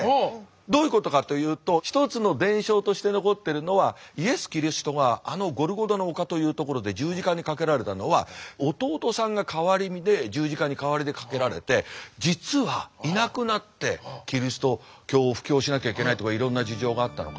どういうことかというと一つの伝承として残ってるのはイエス・キリストがあのゴルゴタの丘という所で十字架にかけられたのは弟さんがかわり身で十字架に代わりでかけられて実はいなくなってキリスト教を布教しなきゃいけないとかいろんな事情があったのか。